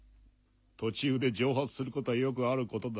途中で蒸発することはよくあることだ。